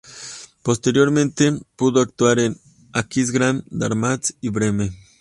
Posteriormente pudo actuar en Aquisgrán, Darmstadt y Bremen.